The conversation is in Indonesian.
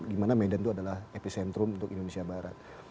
dimana medan itu adalah epicentrum untuk indonesia barat